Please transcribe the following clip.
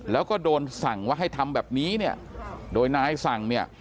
แล้วก็โดนสั่งว่าให้ทำแบบนี้โดยนายสั่ง